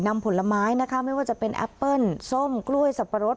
ผลไม้นะคะไม่ว่าจะเป็นแอปเปิ้ลส้มกล้วยสับปะรด